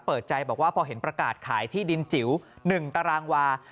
เปิดใจบอกว่าพอเห็นประกาศขายที่ดินจิ๋ว๑ตารางวา